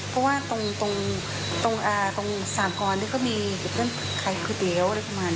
เพราะว่าตรงสามกรมันก็มีเพื่อนไข่คืดเหลียว